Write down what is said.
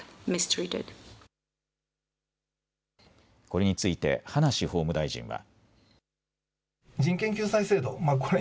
これについて葉梨法務大臣は。